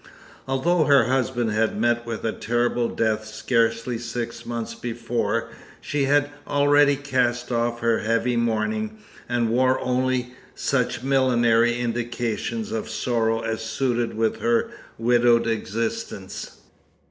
Although her husband had met with a terrible death scarcely six months before, she had already cast off her heavy mourning, and wore only such millinery indications of sorrow as suited with her widowed existence.